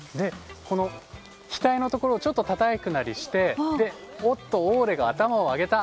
額のところをちょっとたたくなりしてオーレが頭を上げた。